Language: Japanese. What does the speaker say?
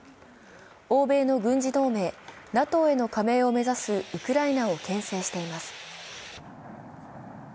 欧米の軍事同盟、ＮＡＴＯへの加盟を目指すウクライナを牽制しています。